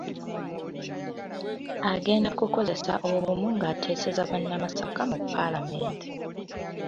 Agenda kukozesa obumu ng'ateeseza bannamasaka mu paalamenti.